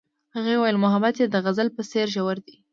هغې وویل محبت یې د غزل په څېر ژور دی.